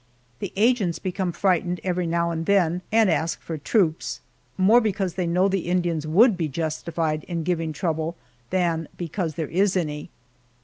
The agents become frightened every now and then, and ask for troops, more because they know the Indians would be justified in giving trouble than because there is any.